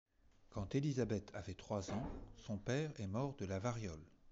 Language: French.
Quand Élisabeth avait trois ans, son père est mort de la variole.